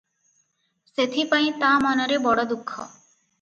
ସେଥିପାଇଁ ତା ମନରେ ବଡ଼ ଦୁଃଖ ।